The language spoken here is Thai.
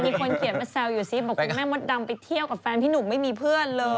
มีคนเขียนมาแซวอยู่ซิบอกคุณแม่มดดำไปเที่ยวกับแฟนพี่หนุ่มไม่มีเพื่อนเลย